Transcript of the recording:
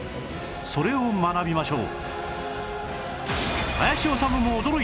それを学びましょう